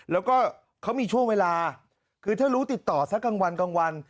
แล้วก็เขามีช่วงเวลาคือถ้ารู้ติดต่อสักกลางวันกลางวัน